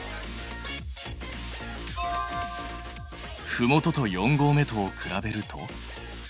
ふもとと四合目とを比べると？